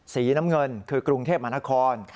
สีน้ำเงินคือกรุงเทพมหานคร